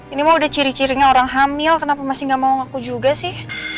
ini mah udah ciri cirinya orang hamil kenapa masih gak mau ngaku juga sih